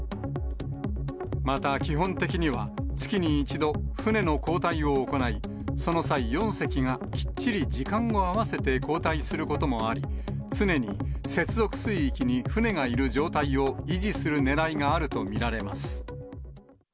また基本的には月に１度、船の交代を行い、その際、４隻がきっちり時間を合わせて交代することもあり、常に接続水域に船がいる状態を維持するねらいがあると見られます。